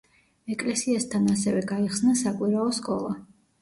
ეკლესიასთან ასევე გაიხსნა საკვირაო სკოლა.